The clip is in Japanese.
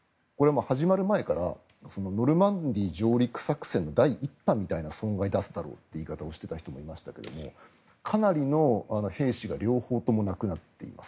始まる前からノルマンディー上陸作戦の第１波みたいな損害を出すだろうと言い方をしていた人もいましたがかなりの兵士が両方とも亡くなっています。